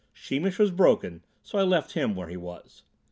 Sheemish was broken, so I left him where he was.